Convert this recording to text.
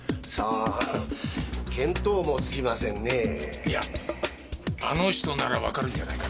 いやあの人ならわかるんじゃないかな？